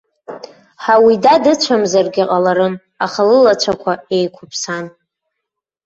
Ҳауида дыцәамзаргьы ҟаларын, аха лылацәақәа еиқәыԥсан.